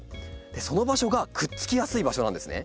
その場所がくっつきやすい場所なんですね。